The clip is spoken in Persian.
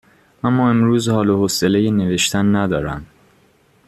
اما امروز حال و حوصله نوشتن ندارم.